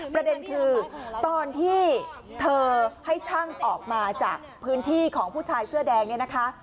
ประเด็นคือตอนที่เธอให้ช่างออกมาจากพื้นที่ของผู้ชายเสื้อแดงเนี่ยนะคะ